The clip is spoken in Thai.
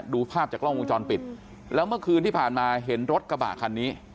ดูภาพจากกล้องวงจรปิดแล้วเมื่อคืนที่ผ่านมาเห็นรถกระบะคันนี้